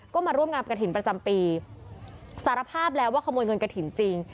ก็มาร่วมงานกระถิ่นประจำปีสารภาพแล้วว่าขโมยเงินกระถิ่นจริง